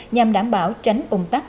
nhằm đảm bảo tránh ủng tắc